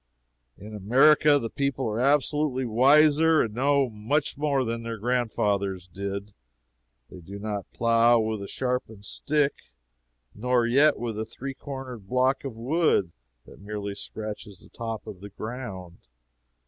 In America the people are absolutely wiser and know much more than their grandfathers did. They do not plow with a sharpened stick, nor yet with a three cornered block of wood that merely scratches the top of the ground.